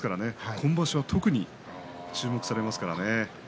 今場所は特に注目されますからね。